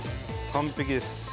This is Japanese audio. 完璧です。